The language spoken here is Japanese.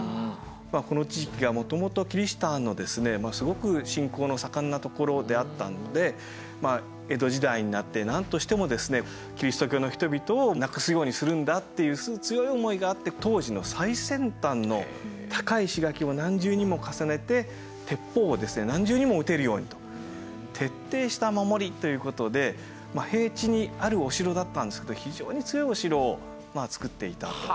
この地域がもともとキリシタンのすごく信仰の盛んなところであったので江戸時代になって何としてもですねキリスト教の人々をなくすようにするんだっていう強い思いがあって当時の最先端の高い石垣を何重にも重ねて鉄砲を何重にも撃てるようにと徹底した守りということで平地にあるお城だったんですけど非常に強いお城を造っていたと。